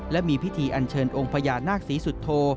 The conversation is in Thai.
และมีพิธีอันเชิญองค์พญานาคศรีสุโธ